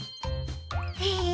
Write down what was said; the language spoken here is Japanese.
へえ。